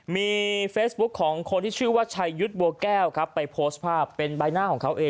มีเฟซบุ๊คของคนที่ชื่อว่าชัยยุทธ์บัวแก้วครับไปโพสต์ภาพเป็นใบหน้าของเขาเอง